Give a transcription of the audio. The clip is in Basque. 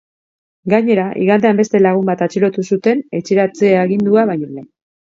Gainera, igandean beste lagun bat atxilotu zuten, etxeratze agindua baino lehen.